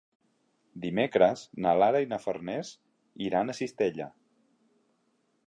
Dimecres na Lara i na Farners iran a Cistella.